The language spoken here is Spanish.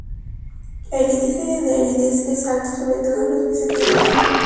El índice de aridez es alto sobre todo en los meses de verano.